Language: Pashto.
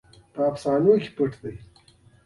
په افسانو کې پټ دی.